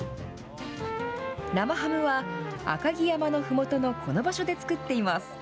生ハムは、赤城山のふもとのこの場所で作っています。